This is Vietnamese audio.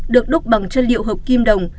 được đúc bằng chất liệu hợp kim đồng